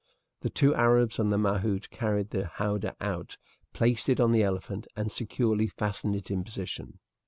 The two Arabs and the mahout carried the howdah out, placed it on the elephant, and securely fastened it in its position.